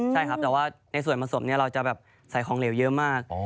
แต่ว่าที่ดูในส่วนผสมใส่ของเหลวเยอะมาก